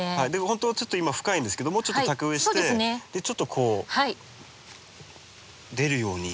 ほんとはちょっと今深いんですけどもうちょっと高植えしてでちょっとこう出るように。